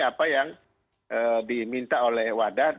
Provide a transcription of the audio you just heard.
apa yang diminta oleh wadat